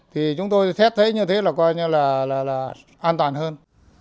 thì chúng tôi thét thế như thế là coi như là an toàn hơn